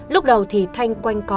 lúc đầu thì thanh quanh cong